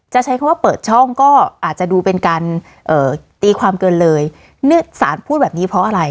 ใช้คำว่าเปิดช่องก็อาจจะดูเป็นการตีความเกินเลยสารพูดแบบนี้เพราะอะไร